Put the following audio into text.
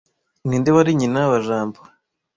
Ninde wari nyina wa Jambo